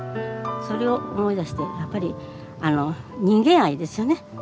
それを思い出してやっぱり人間愛ですよね。